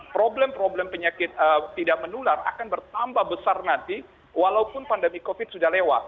problem problem penyakit tidak menular akan bertambah besar nanti walaupun pandemi covid sudah lewat